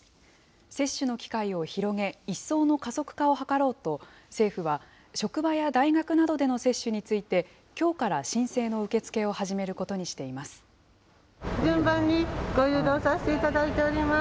接種の機会を広げ、一層の加速化を図ろうと、政府は職場や大学などでの接種について、きょうから申請の受け付けを始めることにしています。